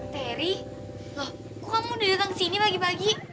terry loh kok kamu udah datang ke sini pagi pagi